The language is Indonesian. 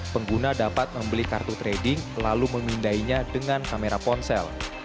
pengguna dapat membeli kartu trading lalu memindainya dengan kamera ponsel